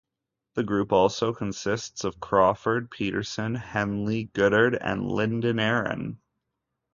The group also consists of Crawford Peterson, Henley Goddard and Linden Aaron.